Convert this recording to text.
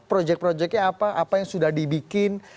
project projectnya apa apa yang sudah dibikin